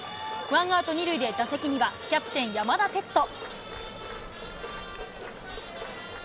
ワンアウト２塁で、打席にはキャプテン、山田哲人。